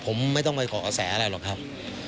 ผมไม่ต้องไปขอกระแสอะไรหรอกครับ